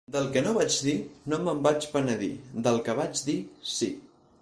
Del que no vaig dir, no me'n vaig penedir; del que vaig dir, sí.